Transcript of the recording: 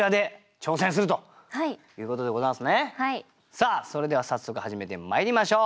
さあそれでは早速始めてまいりましょう。